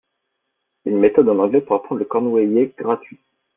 une méthode en anglais pour apprendre le cornouaillais, gratuit.